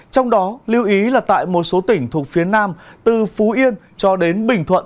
trong đó lưu ý là tại một số tỉnh thuộc phía nam từ phú yên cho đến bình thuận